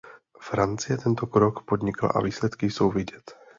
Francie tento krok podnikla a výsledky jsou vidět.